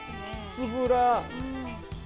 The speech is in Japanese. つぶら。